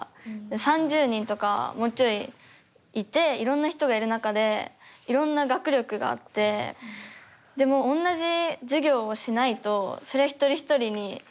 ３０人とかもうちょいいていろんな人がいる中でいろんな学力があってでもおんなじ授業をしないとそれを一人一人にすることって無理だから。